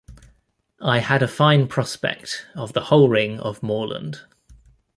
I had a fine prospect of the whole ring of moorland.